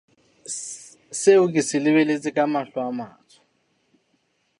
Seo ke se lebelletse ka mahlo a matsho.